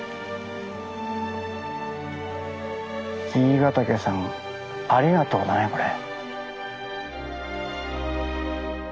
爺ヶ岳さんありがとうだねこれ。